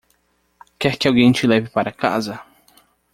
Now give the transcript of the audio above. Quer que alguém te leve para casa?